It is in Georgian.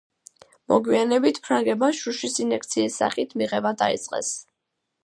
მოგვიანებით ფრანგებმა შუშის ინექციის სახით მიღება დაიწყეს.